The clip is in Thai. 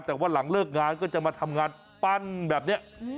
แต่ว่าหลังเลิกงานก็จะมาทำงานปั้นแบบนี้